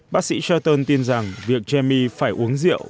bác sĩ shelton tin rằng việc jamie phải uống rượu